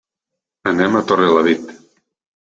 Anem a Torrelavit.